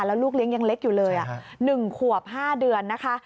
แล้วลูกเลี้ยงยังเล็กอยู่เลย๑ขวบ๕เดือนนะคะ